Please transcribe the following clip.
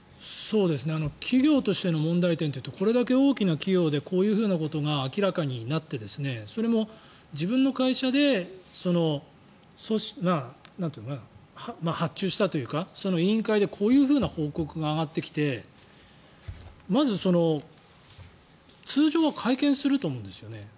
企業としての問題点というとこれだけ大きな企業でこういうことが明らかになってそれも自分の会社で組織が発注したというか委員会でこういう報告が上がってきてまず、通常は会見すると思うんですよね。